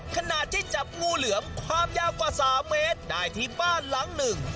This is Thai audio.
ขณะที่จับงูเหลือมความยาวกว่า๓เมตรได้ที่บ้านหลังหนึ่ง